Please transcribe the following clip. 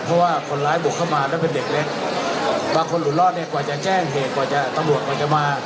เพราะว่าคนร้ายบุกเข้ามาแล้วเป็นเด็กเล็กบางคนหลุดรอดเนี่ยกว่าจะแจ้งเหตุกว่าจะตำรวจกว่าจะมา